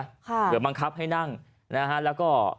เผื่อบังคับให้นั่งนะฮะแล้วก็